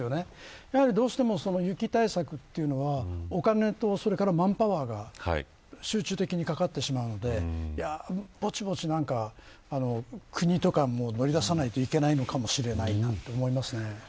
やはりどうしても雪対策というのはお金とマンパワーが集中的にかかってしまうのでぼちぼち国とか乗り出さないといけないのかもしれないなと思います。